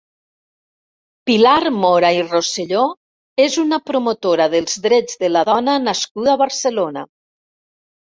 Pilar Mora i Roselló és una promotora dels drets de la dona nascuda a Barcelona.